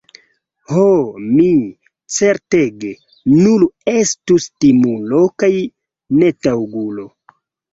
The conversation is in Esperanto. Ho, mi, certege, nur estus timulo kaj netaŭgulo!